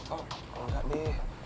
oh enggak be